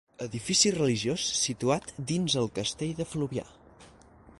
Edifici religiós situat dins el castell de Fluvià.